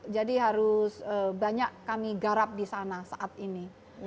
jadi harus banyak kami garap di sana saat ini